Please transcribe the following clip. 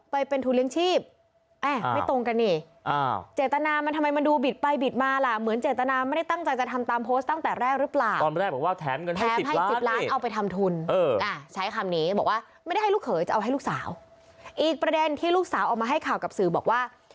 เหอไม่ตรงกันเนี่ยเจตนาทำไมมันดูบิดไปบิดมาล่ะเหมือนเจตนามไม่ได้ตั้งใจจะทำตามโพสต์ตั้งแต่แรกรึเปล่า